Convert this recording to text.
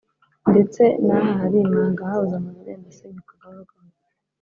ndetse n’aha hari imanga hahoze amazu agenda asenyuka gahoro gahoro